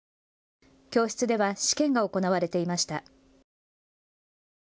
教室では試験が行われていました。